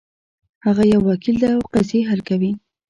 هغه یو وکیل ده او قضیې حل کوي